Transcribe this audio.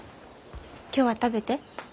今日は食べて。